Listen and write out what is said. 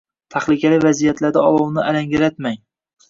tahlikali vaziyatlarda olovni alangalatmang.